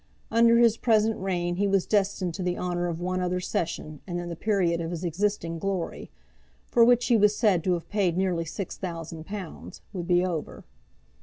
Under his present reign he was destined to the honour of one other session, and then the period of his existing glory, for which he was said to have paid nearly six thousand pounds, would be over.